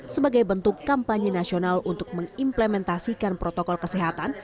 sebagai bentuk kampanye nasional untuk mengimplementasikan protokol kesehatan